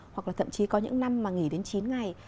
hoặc là thậm chí có những năm mà nghỉ đến chín ngày